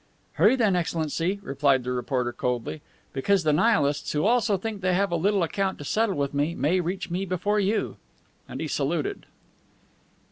"Hurry, then, Excellency," replied the reporter coldly, "because the Nihilists, who also think they have a little account to settle with me, may reach me before you." And he saluted.